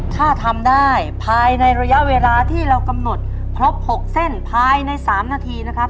ถ้าทำได้ภายในระยะเวลาที่เรากำหนดครบ๖เส้นภายใน๓นาทีนะครับ